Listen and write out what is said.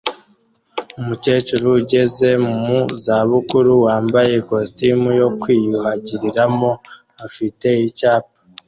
Umukecuru ugeze mu zabukuru wambaye ikositimu yo kwiyuhagiriramo afite icyapa